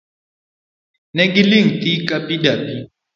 Ne giling' thii kapi dapi.